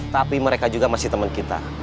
tapi mereka juga masih teman kita